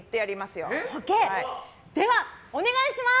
ではお願いします！